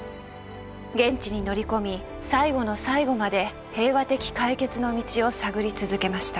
現地に乗り込み最後の最後まで平和的解決の道を探り続けました。